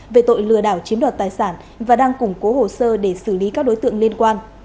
về tội lừa đảo chiếm đoạt tài sản và đang củng cố hồ sơ để xử lý các đối tượng liên quan